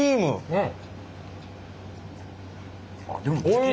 うん！